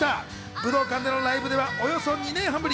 武道館でのライブではおよそ２年半ぶり。